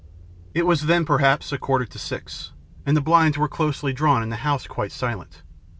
It was then, perhaps, a quarter to six, and the blinds were closely drawn and the house quite silent.